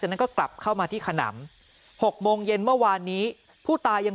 นั้นก็กลับเข้ามาที่ขนำ๖โมงเย็นเมื่อวานนี้ผู้ตายัง